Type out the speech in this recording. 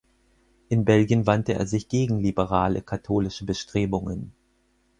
In Belgien wandte er sich gegen liberale katholische Bestrebungen.